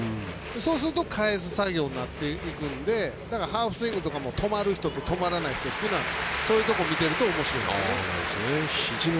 そうすると返す作業になっていくのでハーフスイングとかも止まる人と止まらない人はそういうところを見てるとおもしろいですね。